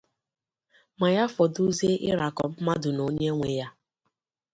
Ma ya fọdụzie ịràkọ mmadụ na onye nwe ya